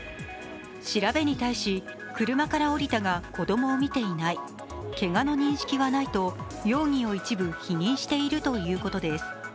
調べに対し、車から降りたが子供を見ていない、けがの認識はないと容疑を一部否認しているということです。